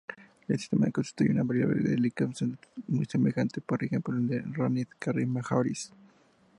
El sistema constituye una variable eclipsante muy semejante, por ejemplo, a R Canis Majoris.